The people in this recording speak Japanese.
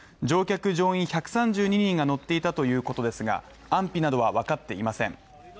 乗客・乗員１３２人が乗っていたということですが、安否などは分かっていません。